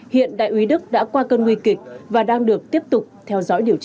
hiện đại úy đức đã qua cơn nguy kịch và đang được tiếp tục theo dõi điều trị